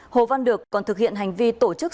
hồ văn được còn thực hiện hành vi tổ chức